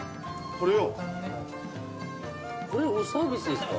これサービスですか？